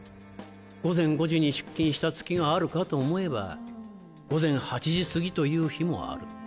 午前５時に出勤した月があるかと思えば午前８時すぎという日もある。